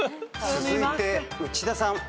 続いて内田さん。